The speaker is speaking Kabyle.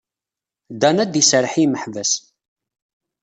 Dan ad d-iserreḥ i yimeḥbas.